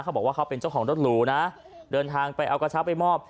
เขาบอกว่าเขาเป็นเจ้าของรถหรูนะเดินทางไปเอากระเช้าไปมอบ